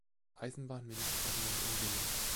Eisenbahnministerium in Wien.